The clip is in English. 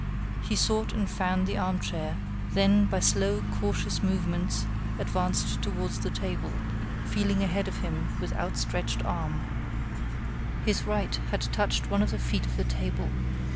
He sought and found the armchair; then, by slow, cautious movements, advanced toward the table, feeling ahead of him with outstretched arm. His right had touched one of the feet of the table.